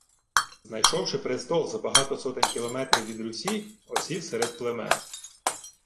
Знайшовши престол за багато сотень кілометрів від Русі, осів серед племен